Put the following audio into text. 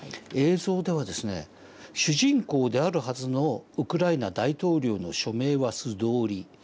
映像ではですね主人公であるはずのウクライナ大統領の署名は素通り